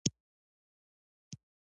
زه د شپې تر ناوخت کار کوم.